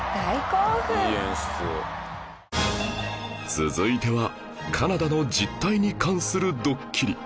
続いてはカナダの実態に関するドッキリ